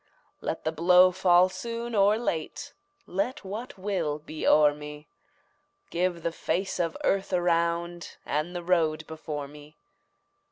Let the blow fall soon or late, Let what will be o'er me; Give the face of earth around, And the road before me.